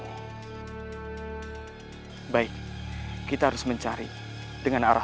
hai baik kita harus mencari dengan arah